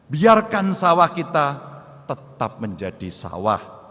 biarkan sawah kita tetap menjadi sawah